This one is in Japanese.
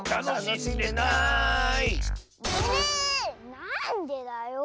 なんでだよ。